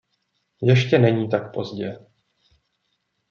Ještě není tak pozdě.